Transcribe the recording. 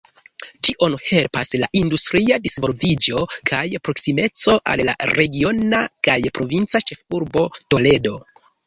Tion helpas la industria disvolviĝo kaj proksimeco al la regiona kaj provinca ĉefurbo Toledo.